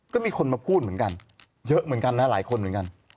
ก็มีคนมาพูดเหมือนกันเยอะเหมือนกันนะหลายคนเหมือนกัน